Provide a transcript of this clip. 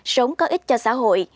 sống có ích cho xã hội